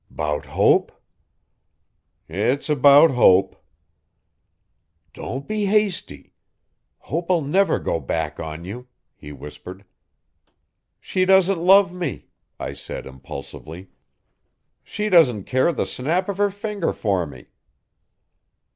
''Bout Hope?' 'It's about Hope.' 'Don't be hasty. Hope'll never go back on you,' he whispered. 'She doesn't love me,' I said impulsively. 'She doesn't care the snap of her finger for me.